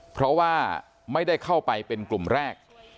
เพราะว่าไม่ได้เข้าไปเป็นกลุ่มแรก